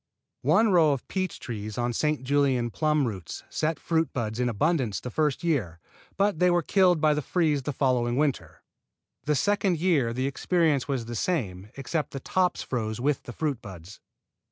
One row of peach trees on St. Julien plum roots set fruit buds in abundance the first year, but they were killed by the freeze of the following winter. The second year the experience was the same, except that the tops froze with the fruit buds.